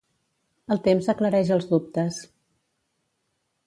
El temps aclareix els dubtes.